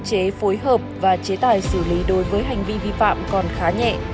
chế phối hợp và chế tài xử lý đối với hành vi vi phạm còn khá nhẹ